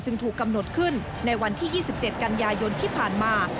ถูกกำหนดขึ้นในวันที่๒๗กันยายนที่ผ่านมา